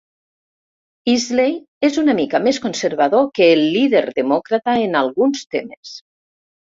Easley és una mica més conservador que el líder demòcrata en alguns temes.